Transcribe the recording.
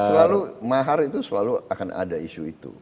selalu mahar itu selalu akan ada isu itu